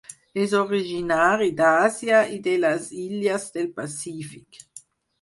És originari d'Àsia i de les illes del Pacífic.